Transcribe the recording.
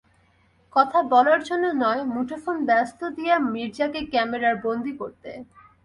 কথা বলার জন্য নয়, মুঠোফোন ব্যস্ত দিয়া মির্জাকে ক্যামেরার বন্দী করতে।